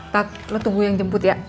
tat lo tunggu yang jemput ya